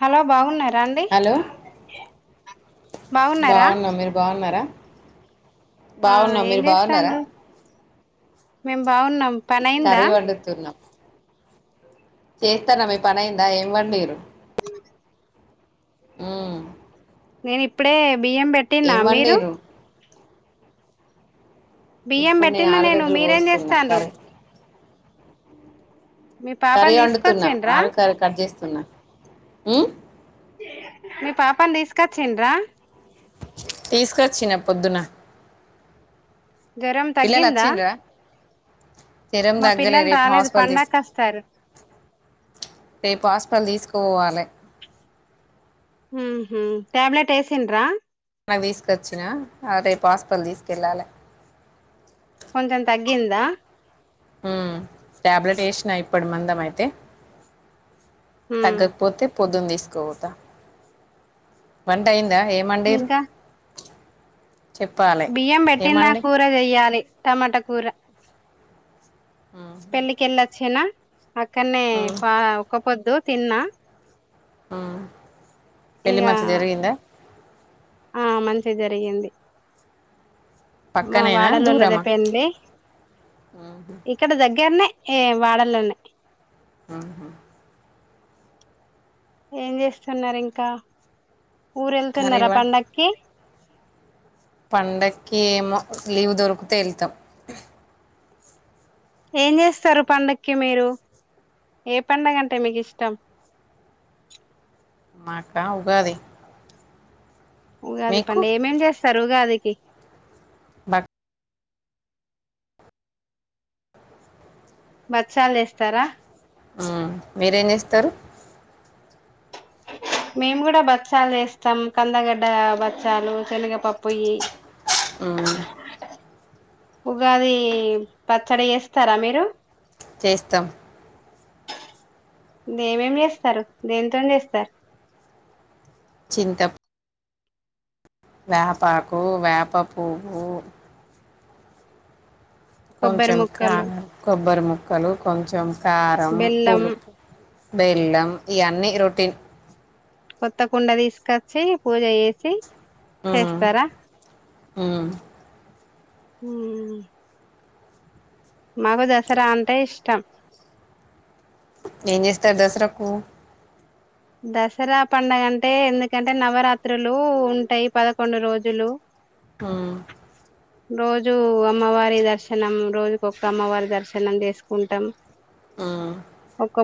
hello బాగున్నారా రండి బాగునం మీరు బాగున్నారా ఆ బాగునం ఏం మీరు బాగున్నారా చేస్తాండ్రు మేం బాగున్నాం పని అయిందా కర్రీ చేస్తానమే పనిఅయిందా ఏంవండిరు ఉమ్ నేను ఇప్పుడే బియ్యం పెట్టినా మీరు వండిరు బియ్యం ఇప్పుడు పెట్టింద నేను ఆలుగడ్డలు మీరు కోస్తున్నా ఏంచేస్తాడురు కర్రీ కర్రీ పాపని వండుతున్నా తీసుకొచ్చిండ్రా ఆలుకర్రి కట్ చేస్తున్నా మీ పాపాను తీసుకొచ్చండ్రా తీసుకొచ్చిన పొద్దున జ్వరం పిల్లలు తగ్గిందా వచ్చిండరా జ్వరం మా తగ్గలేదు పిల్లలు రేపు రాలేదు హాస్పిటల్ తీసు పండకొస్తారు రేపు హాస్పిటల్ తీసు ఓ వాలే హ హ ట్యాబ్లేెట్ వేసింద్రా నిన్న తీసుకొచ్చినా రేపు హాస్పల్ తీసుకెళ్ళాలి కొంచెం తగ్గిందా ఊ ట్యాబ్లెట్ వేసినా ఇప్పటి మందం అయితే ఉమ్ తగ్గకపోతే పొదున తీసుకొని పోత వంట అయిందా దా ఏమండీరు ఇంకా బియ్యం పెట్టినా కూర చెయ్యాలి టమాటా కూర ఊ చిన్న అక్కనే ఫ ఒక్క పొద్దు తిన్నా ఆ పెళ్లి మంత ఇగ జరిగిందా ఆ మంచి జరిగింది మా పక్కనేనా వాడలోల్లది దూరమా పెండ్లి ఇక్కడ దగ్గరనే హే వాడల్లోనే ఆ ఏం జేస్తున్నారు ఇంకా ఊరు కర్రీ వెళ్తున్నారా వా పండక్కి పండక్కి ఏమో లీవ్ దొరికితే ఎళ్తాం ఏం జేస్తారు పండక్కి మీరు ఏ పండగంటే మీకు ఇష్టం మాకా ఉగాది ఉగాది మీకు పండ్ ఏమేం జేస్తారు ఉగాది ఇ బక్ బచ్చాలు ఏస్తారా ఆ మీరేం చేస్తారు మేము గూడా బచ్చాలు ఏస్తాం కందగడ్డ బచ్చాలు శనగప పప్పు ఇఈ ఉమ్, ఉగాది పచ్చడి ఏస్తారా మీరు చేస్తాం దేమేమి చేస్తారు దేనితో చేస్తారు ఇంతప్ వేపాకు వేప పువ్వు కొబ్బరి కొంచెం క ముక్కలు కొబ్బరి ముక్కలు కొంచెం కారం బెల్లం పులుపు బెల్లం ఇయన్నీ రొటీన్ కొత్త కుండ దీసుకొచ్చి పూజ ఏసి చేస్తారా ఉం ఉమ్ మాకు దసరా అంటే ఇష్టం ఏం జేస్తారు దసరాకు దసరా పండగ అంటే ఎందుకంటే నవరాత్రులు ఉంటాయి పదకొండు రోజులు ఉమ్ రోజూ అమ్మవారి దర్శనం రోజుకొక్క అమ్మవారి దర్శనం జేసుకుంటాం ఆ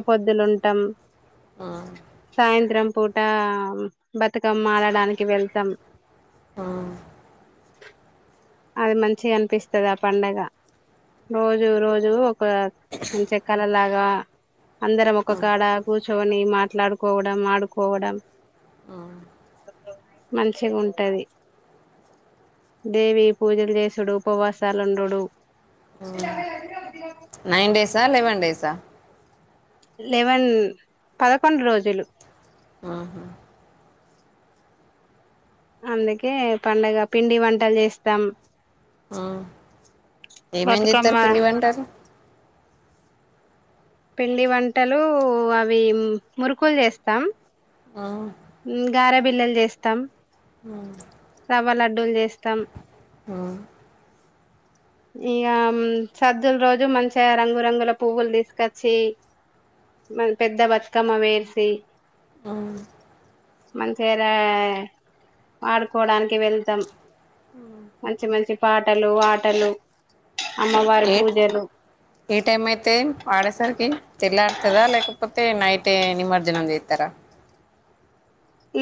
పొద్దులుంటాం ఆ సాయంత్రం పూట బతుకమ్మ ఆడడానికి వెళ్తాం ఆ అది మంచిగ అనిపిస్తది ఆ పండగ రోజు రోజు ఒక మంచిగా కల లాగా అందరం ఒక్క కాడ కూర్చొని మా మాట్లాడుకోవడం ఆడుకోవడం ఆ మంచిగ ఉంటది దేవి పూజలు చేసుడు ఉపవాసాలుండుడు nine days eleven days eleven పదకొండ్ రోజులు అ హా అందుకే పండగ పిండి వంటల్ చేస్తాం ఏమేం బతుకమ్మ జెత్తర్ పిండి వంటలు పిండి వంటలూ అవి మురుకుల్ జెస్తాం ఆ ఉ గార బిల్లల్ జేస్తాం అ వ్వ లడ్డూల్ జేస్తాం ఆ ఇగా సద్దుల్ రోజు మంచిగా రంగురంగుల పువ్వుల్ తీసుకొచ్చి పెద్ద బతుకమ్మ పెర్సీ ఆ మంచిరా వాడుకోవడాని కి వెళ్దాం మంచి మంచి పాటలు ఆటలు అమ్మవారి ఏట్ పూజలు ఏ టైమైతే వాడేసరికి తెల్లార్త తదా లేకపొతే నైటే నిమర్జనం జేస్తరా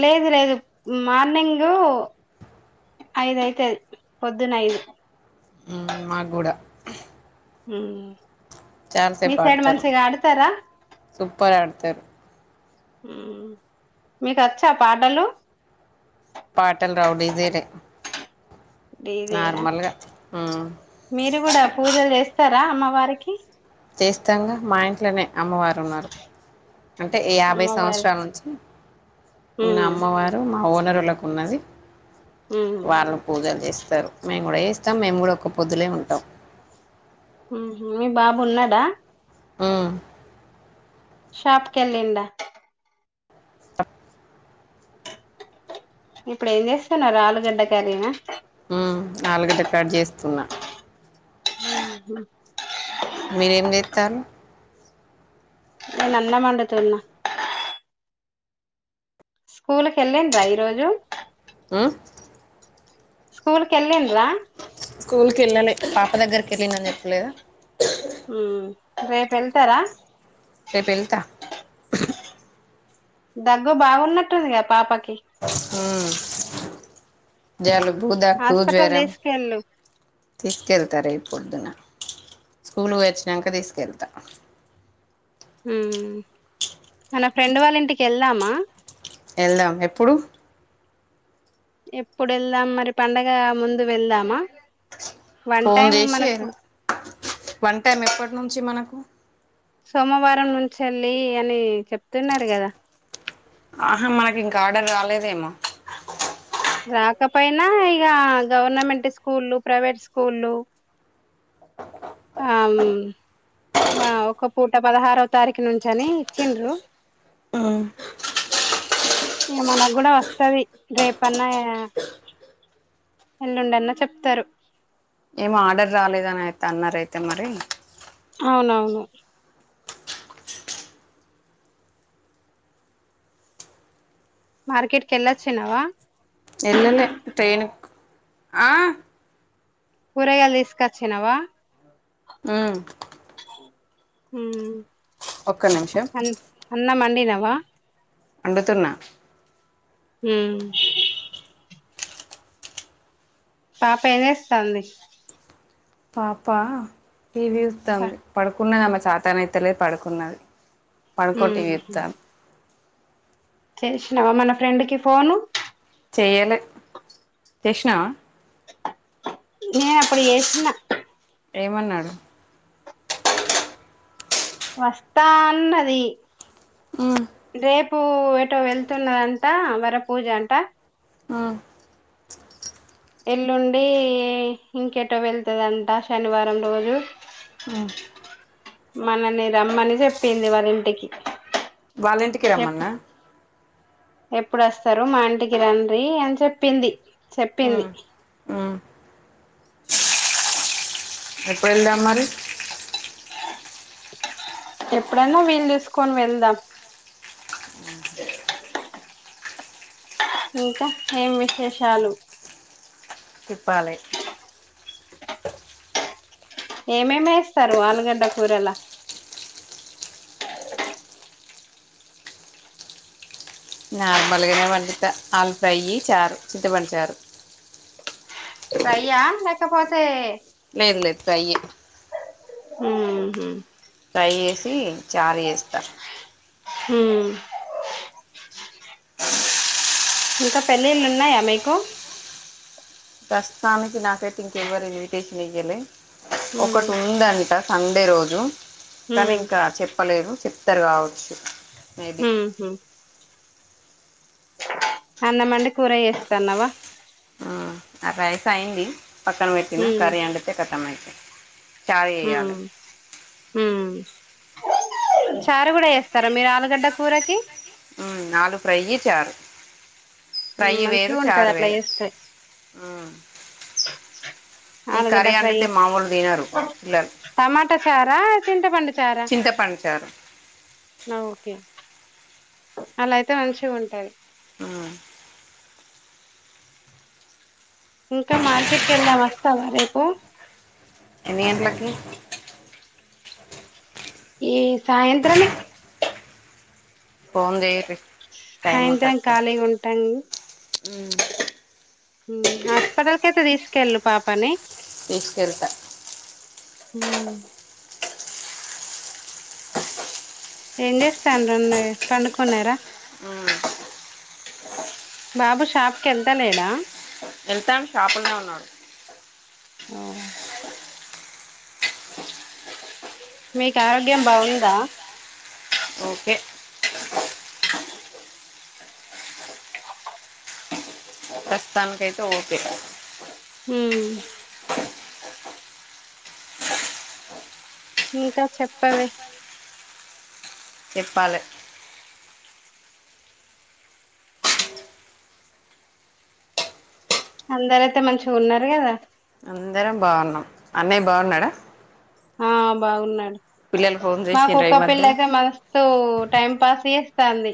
లేదు లేదు మార్నింగ్ ఐదు అయితది పొద్దున ఐదు ఉమ్ మాక్ గూడా ఉమ్ చాల్సేపు పడ్తారు సూపర్ ఆడతారు మీకొచ్చా పాటలు పాటల్ రావు డిజైనే డిజెనా ఉమ్ మీరు గుడా పూజల్ చేస్తారా అమ్మ వారికి చేస్తంగా మా ఇంట్లనే అమ్మవారు ఉన్నారు అంటె యాభై అమ్మవారి సంవత్సరాల నుంచి ఉన్న ఉమ్ అమ్మవారు మా మా ఓనరోళ్లకున్నది ఉమ్ వాళ్ళు పూజల్ చేస్ స్తరు మేము గుడా చేస్తాం మేము కూడా ఒక్క పొద్దులే ఉంటాం ఊహుం మీ బాబు ఉన్నాడా ఉహ్ షాప్ కెళ్ళిండా ఇప్పుడు ఏం జెస్తున్నారు ఆలుగడ్డ కర్రీన ఉమ్ ఆలుగడ్డ కట్ చేస్తున్నా ఆహ [unintelligible] మీరేం జేత్తాళ్ళు నేన్ అన్నం వండుతున్న స్కూల్ కెల్లిండ్రా ఈరోోజు ఉమ్ స్కూల్ కి ఎళ్ళిడ్రా స్కూల్కి ఎళ్ళాలే పాప దగ్గరికి ఎళ్లిడని చెప్పలేదా హమ్ రేప్ వెళ్తారా రేప్ ఎళ్తా దగ్గు బాగున్నట్టు ఉంది కదా పాపక్ హమ్ జలు బూదగ్గు హాస్పిటల్ జ్వరం తీసుకెళ్ళు తీసుకెళ్తారా ఈప్ పొద్దున స్కూలుకు పోయి వచ్చినంక తీసుకెళ్తా ఉమ్ మన ఫ్రెండ్ వాళ్ళ ఇంటికి ఎళ్దామా ఎళ్దాం ఎప్పుడు ఎప్పుడు ఎళ్దాం మరి పండగ ముందు వెళ్దామా వన్ ఫోన్ టైం చేసి మనకు ఏల్ వన్ టైం ఎప్పటి నుంచి మనకు సోమవారం నుంచెల్లి అని చెప్తున్నారు కదా ఆహా మనకి ఇంకా ఆర్డర్ రాలేదేమో రాకపోయినా ఇగ గవర్నమెంట్ స్కూళ ప్రైవేట్ స్కూళ్ళ ఆమ్ వ ఒక పూట పదహారో తారీఖు నుంచిని ఇచ్చిండ్రు ఇగ మనకు కూడా వస్తది రేపన్నా ఎల్లుండఅన్నా చెప్తారు ఏం ఆర్డర్ రాలేదని అయితే అన్నారయితే మరి అవునవును మార్కెట్ కెల్లాచ్చినవ ఎల్లలే ట్రైనెక్ ఆ కూరగాయలు తీసుకచ్చినవా ఉమ్ హమ్ ఒక్క నిమిషం నినవా అండుతున్నా హమ్ పాప ఏం చేస్తాంది పాపా టీవీచూత్తాంది పడుకున్న సాతనైతలే పడుకున్నది పడుకొని హ్మ్ టీవీ చుతాంది చేసినావా మన ఫ్రెండ్ కి ఫోను చెయ్యలే చేశీనావా నేను అప్పుడు చేశీన ఏమన్నాడు వస్తా అన్నది ఉమ్ రేపు ఎటో వెళ్తున్నదంట వర పూజ అంట ఉమ్ ఎల్లుండి ఇంకేటో వెళ్తుదంట శనివారం రోజు మనల్ని రమ్మని చెప్పింది వాళ్ళ ఇంటికి వాలింటికి రమ్మన్న ఎప్పుడొస్తరు మా ఇంటికి రండ్రి అని చెప్పింది చెప్పింది ఉమ్ ఉమ్ ఎప్పుడు ఎళ్దాం మరి ఎప్పుడైనా వీలు జూసుకొని వెళ్దాం ఇంకా ఏం విశేషాలు చెప్పాలి ఏమేమి ఏస్తారు ఆలుగడ్డ కూరలా నార్మల్గనే వండుత ఆలు ఫ్రై చారు చింతపండుచారు ఫ్రైయ్యా లేకపోతే లేదు లేదు ఫ్రై ఏ ఊమ్ ఫ్రై చేసి చారు చేస్తా ఊహ్మ్ ఇంకా పెళ్ళిళ్ళు ఉన్నాయా మీకు ప్రస్తుతానికి నాకైతే ఇంకా ఎవరు ఇన్విటేషన్ ఇయలే ఉమ్ ఒకటి ఉందం అ సండే రోజు కానీ ఉమ్ ఇంకా చెప్పలేరు చెప్తరు కావచ్చు మేబీ ఊహ్మ్ అన్నమండి కూర ఏస్తాన్నవా అ రైస్ అయింది పక్కన పెట్టిన కర్రీ వండితే కతం అయి [inaudible] ఊమ్ ఊమ్ చారు కూడా చేస్తరా మీరు ఆలుగడ్డ కూరకి ఉ నాలు ఫ్రైయి చారు ఫ్రై వేరు మంచిగా ఉంటది చారు అట్లా వేరు చేస్తే ఈ ఆలుగడ్డ కర్రీ ఫ్రై వండితే చేస్త మామూలు తినరు పిల్లలు టమాటా చారా చింత పండు చారా చింతపండు చారు ఆ ఓకే అలా అయితే మంచి ఉంటది అ ఇంకా మార్కెట్ కెళ్దాం వస్తావా రేపు ఎన్నిగంట్లలకీ ఈ సాయంత్రమే పోన్ జేయుండ్రి సాయంత్రం ఖాళీ ఉంటాం ఉమ్ ఊమ్ హాస్పిటల్కైతే తీసుకెళ్ళు పాపని తీసుకెళ్తా ఊమ్ ఏం చేస్తాండ్రు అన్నయ్య పండుకున్నారా బాబు షాప్ క కెళ్తా లేడా వెళ్తాం షాపుల్నే ఉన్నాడు ఓ మీకు ఆరోగ్యం బాగుందా ఓకే ప్రస్తుతానికైతే ఓకే హమ్ ఇంకా చెప్పవే చెప్పాలే అందరయితే మంచిగా ఉన్నారు కదా అందరం బాగున్నాం అన్నయ్య బాగున్నాడా ఆ బాగున్నాడు పిల్లలు ఫోన్ మా చేసిండ్రా కుక్క ఈ పిల్ల మధ్యన అయితే మస్తు టైమ్ పాస్ తీస్తాంది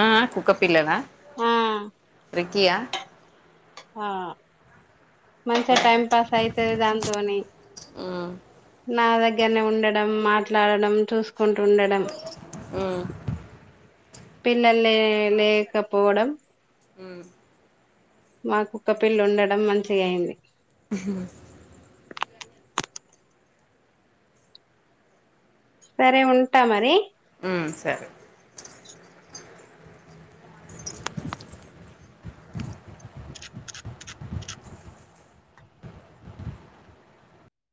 ఆ ఆ కుక్క పిల్లన ఉమ్ రిక్కియ ఆ మంచిగా టైం పాస్ అయితుంది దాంతోని ఉమ్ నా దగ్గరనే ఉండడం మాట్లాడడం చూసుకుంటు ఉండడం ఉమ్ పిల్లలు లే లేకపోవడం ఉమ్ మా కుక్క పిళ్ళ ఉండడం మంచిగాయింది సరే ఉంటా మరి ఉమ్ సరే కిక్